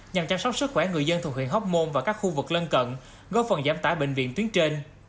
nhằm chăm sóc sức khỏe người dân thuộc huyện hóc môn và các khu vực lân cận góp phần giảm tải bệnh viện tuyến trên